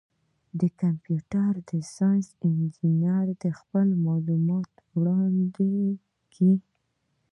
د کمپیوټر ساینس انجینر دي خپل معلومات وړاندي کي.